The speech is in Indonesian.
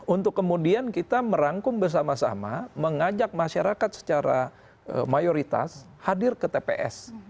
untuk kemudian kita merangkum bersama sama mengajak masyarakat secara mayoritas hadir ke tps